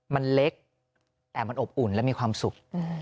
มันเล็กแต่มันอบอุ่นและมีความสุข